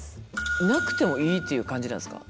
なくてもいいっていう感じなんですか？